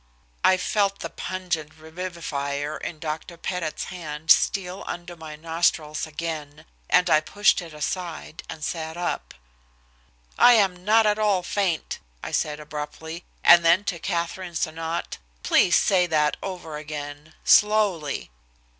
I felt the pungent revivifier in Dr. Pettit's hand steal under my nostrils again, but I pushed it aside and sat up. "I am not at all faint," I said abruptly, and then to Katherine Sonnot. "Please say that over again, slowly."